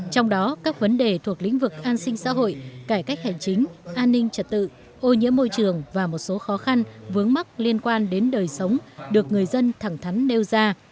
trong đó các vấn đề thuộc lĩnh vực an sinh xã hội cải cách hành chính an ninh trật tự ô nhiễm môi trường và một số khó khăn vướng mắc liên quan đến đời sống được người dân thẳng thắn nêu ra